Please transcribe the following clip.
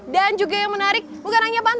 dan juga yang menarik bukan hanya pantai